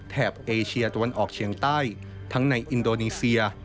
เอเชียตะวันออกเฉียงใต้ทั้งในอินโดนีเซีย